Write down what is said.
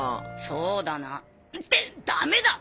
そうだな。ってダメだ！